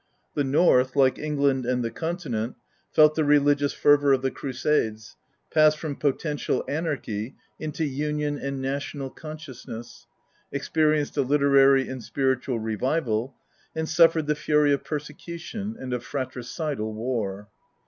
The North, like England and the Conti nent, felt the religious fervor of the Crusades, passed from potential anarchy into union and national consciousness, experienced a literary and spiritual revival, and suffered the fury of persecution and of fratricidal war.